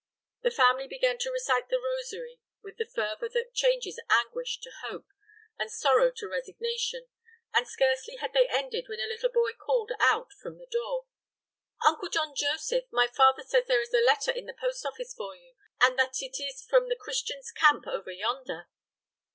The family began to recite the rosary with that fervor which changes anguish to hope, and sorrow to resignation; and scarcely had they ended when a little boy called out from the door: "Uncle John Joseph, my father says there is a letter in the post office for you, and that it is from the Christian's camp over yonder."